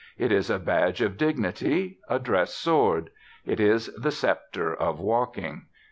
It is a badge of dignity, a dress sword. It is the sceptre of walking.